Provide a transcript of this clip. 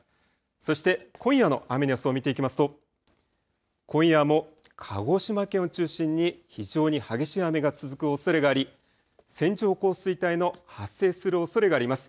そして今夜の雨の予想を見ていきますと今夜も鹿児島県を中心に非常に激しい雨が続くおそれがあり線状降水帯の発生するおそれがあります。